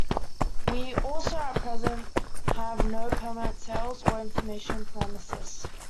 We also at present have no permanent sales or information premises.